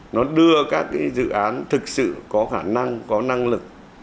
nó đưa các cái dự án thực sự có khả năng có năng lực